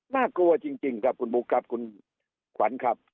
น่ากลัวจริงครับคุณบุ๊คครับคุณขวัญครับ